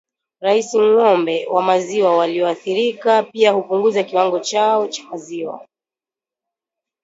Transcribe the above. rahisi Ng'ombe wa maziwa walioathirika pia hupunguza kiwango chao cha maziwa